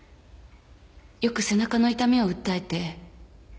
よく背中の痛みを訴えて。